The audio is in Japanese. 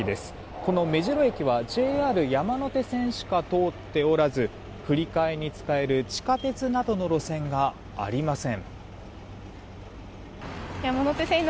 この目白駅はＪＲ山手線しか通っておらず振り替えに使える地下鉄などの路線がありません。